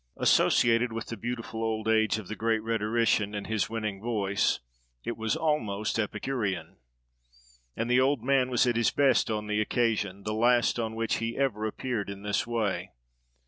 Associated with the beautiful old age of the great rhetorician, and his winning voice, it was almost Epicurean. And the old man was at his best on the occasion; the last on which he ever appeared in this way.